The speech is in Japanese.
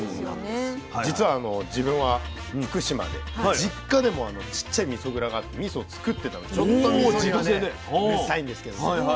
実は自分は福島で実家でもちっちゃいみそ蔵があってみそつくってたのでちょっとみそにはねうるさいんですけどね。